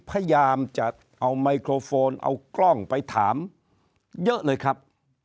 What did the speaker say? พยายามจะเอาไมโครโฟนเอากล้องไปถามเยอะเลยครับ